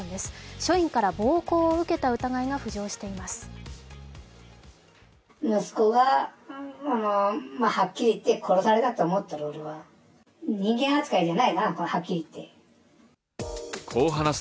署員から暴行を受けた疑いが浮上しています。